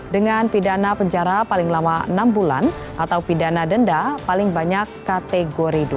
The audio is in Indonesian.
dengan pidana penjara paling lama enam bulan atau pidana denda paling banyak kategori dua